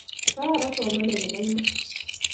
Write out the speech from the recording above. Kararan somanet ne po iman